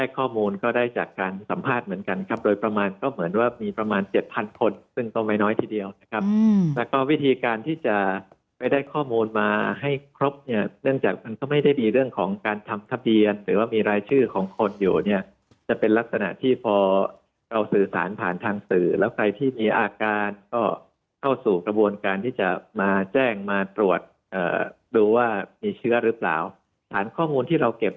ข้อมูลก็ได้จากการสัมภาษณ์เหมือนกันครับโดยประมาณก็เหมือนว่ามีประมาณเจ็ดพันคนซึ่งต่อไปน้อยทีเดียวนะครับอืมแล้วก็วิธีการที่จะไปได้ข้อมูลมาให้ครบเนี่ยเนื่องจากมันก็ไม่ได้มีเรื่องของการทำทะเบียนหรือว่ามีรายชื่อของคนอยู่เนี่ยจะเป็นลักษณะที่พอเราสื่อสารผ่านทางสื่อแล้วใครที่มีอาการก็เข้